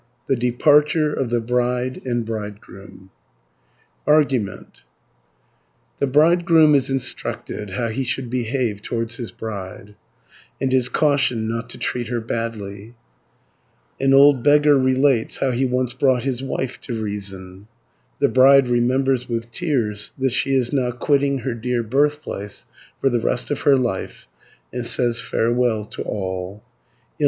THE DEPARTURE OF THE BRIDE AND BRIDEGROOM Argument The bridegroom is instructed how he should behave towards his bride, and is cautioned not to treat her badly (1 264). An old beggar relates how he once brought his wife to reason (265 296). The bride remembers with tears that she is now quitting her dear birthplace for the rest of her life, and says farewell to all (297 462).